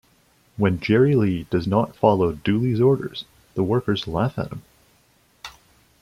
When Jerry Lee does not follow Dooley's orders, the workers laugh at him.